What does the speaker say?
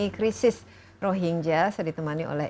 krisis rohingya sedotemani oleh